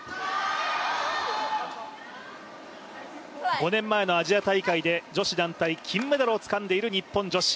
５年前のアジア大会で女子団体金メダルをつかんでいる日本女子。